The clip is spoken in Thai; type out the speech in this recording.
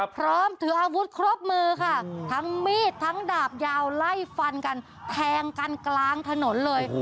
พร้อมถืออาวุธครบมือค่ะทั้งมีดทั้งดาบยาวไล่ฟันกันแทงกันกลางถนนเลย